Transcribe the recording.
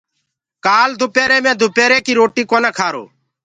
ڪآل دُپيري مي دُپري ڪي روٽي ڪونآ کآرو۔